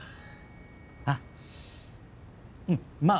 あっうんまあ